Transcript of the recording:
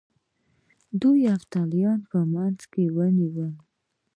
دوی یفتلیان په منځ کې ونیول